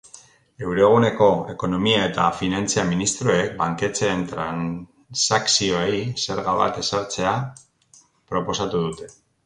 Euroguneko ekonomia eta finantza ministroek banketxeen transakzioei zerga bat ezartzea proposatuko dute.